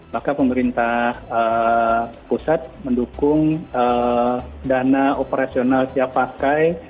maka pemerintah pusat mendukung dana operasional siap pakai